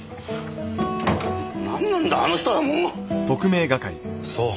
なんなんだあの人はもう。